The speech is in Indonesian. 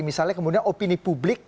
misalnya kemudian opini publik